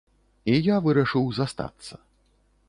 І я вырашыў застацца.